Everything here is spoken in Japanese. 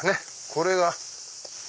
これが。